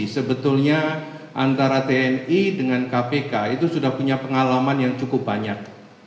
sebetulnya antara tni dengan kpk itu sudah punya pengalaman yang cukup banyak